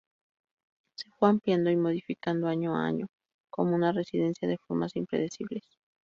Se fue ampliando y modificando año a año como una residencia de "formas impredecibles".